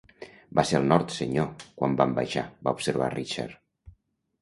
"Va ser al nord, senyor, quan vam baixar", va observar Richard.